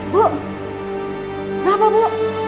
bu apa bu